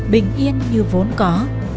bình yên như vốn có